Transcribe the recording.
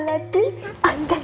ala diri andui